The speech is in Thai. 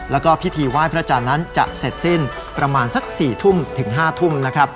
แล้วก็พิธีไหว้พระจันทร์นั้นจะเสร็จสิ้นประมาณสัก๔ทุ่มถึง๕ทุ่มนะครับ